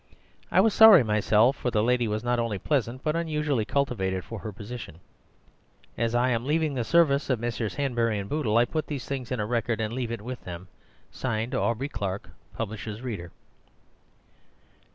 I was sorry myself; for the lady was not only pleasant but unusually cultivated for her position. As I am leaving the service of Messrs. Hanbury and Bootle, I put these things in a record and leave it with them. (Signed) Aubrey Clarke, Publishers' Reader.